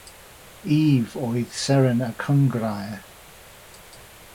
Efe oedd seren y cynghrair.